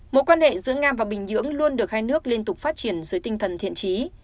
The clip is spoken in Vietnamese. mối quan hệ giữa nga và bình nhưỡng luôn được hai nước liên tục phát triển dưới tinh thần thiện trí